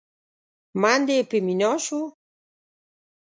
من دې په مينا شو؟!